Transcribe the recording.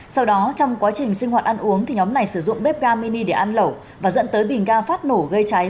sau đó trong quá trình sinh hoạt ăn uống thì nhóm này sử dụng bếp ga mini để ăn lẩu và dẫn tới bình ga phát nổ gây cháy